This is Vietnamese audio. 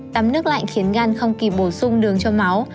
tắm nước lạnh khiến gan không kịp bổ sung đường cho máu